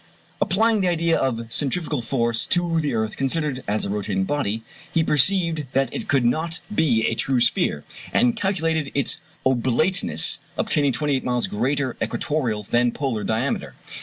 Applying the idea of centrifugal force to the earth considered as a rotating body, he perceived that it could not be a true sphere, and calculated its oblateness, obtaining 28 miles greater equatorial than polar diameter.